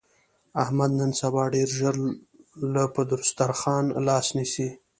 احمد نن سبا ډېر ژر له پر دستاخوان لاس نسي.